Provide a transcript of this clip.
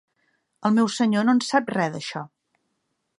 El meu Senyor no en sap res d'això.